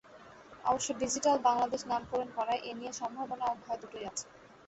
অবশ্য ডিজিটাল বাংলাদেশ নামকরণ করায় এ নিয়ে সম্ভাবনা ও ভয় দুটোই আছে।